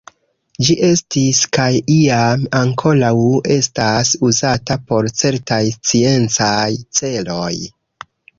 Ĝi estis, kaj iam ankoraŭ estas, uzata por certaj sciencaj celoj.